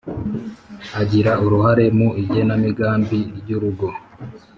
Agira uruhare mu igenamigambi ry’urugo